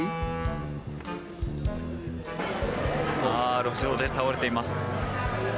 ああ、路上で倒れています。